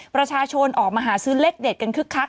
ประชาชนออกมาหาซื้อเลขเด็ดกันคึกคัก